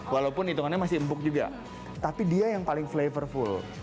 walaupun hitungannya masih empuk juga tapi dia yang paling flavorful